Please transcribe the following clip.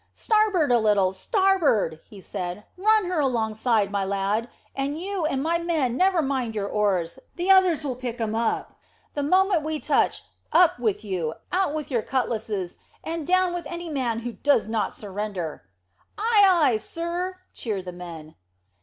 "Starboard a little starboard!" he said. "Run her right alongside, my lad; and you, my men, never mind your oars, the others'll pick them up. The moment we touch, up with you, out with your cutlashes, and down with any man who does not surrender." "Ay, ay, sir!" cheered the men.